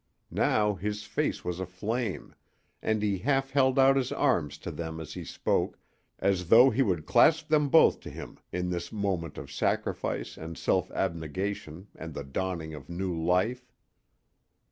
Now his face was aflame, and he half held out his arms to them as he spoke, as though he would clasp them both to him in this moment of sacrifice and self abnegation and the dawning of new life.